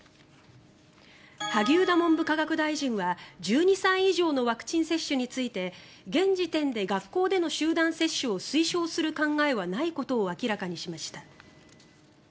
萩生田文部科学大臣は１２歳以上のワクチン接種について現時点で学校での集団接種を推奨する考えはないことを明らかにしました。